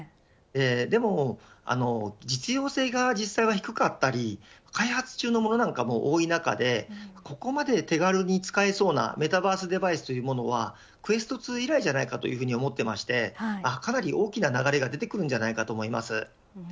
でも、実用性が実際は低かったり開発中のものなんかも多い中でここまで手軽に使えそうなメタバース向けデバイスというのはクエスト２以来ではないかと思っていましてかなり大きな流れが出てくるんじゃないかと思います。